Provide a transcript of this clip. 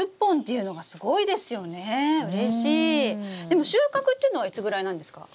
でも収穫っていうのはいつぐらいなんですか？